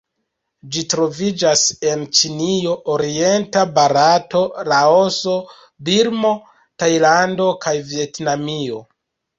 Ĝi troviĝas en Ĉinio, orienta Barato, Laoso, Birmo, Tajlando kaj Vjetnamio.